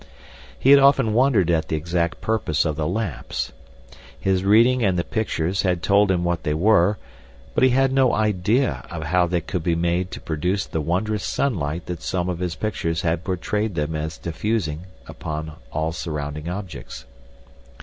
He had often wondered at the exact purpose of the lamps. His reading and the pictures had told him what they were, but he had no idea of how they could be made to produce the wondrous sunlight that some of his pictures had portrayed them as diffusing upon all surrounding objects.